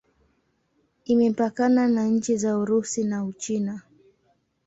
Imepakana na nchi za Urusi na Uchina.